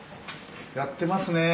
やってますね。